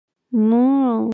Noo.